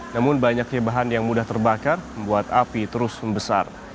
namun banyaknya bahan yang mudah terbakar membuat api terus membesar